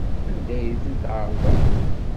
Anda ay tent-tɛerḍeḍ?